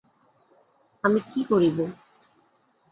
আমি কি করিব?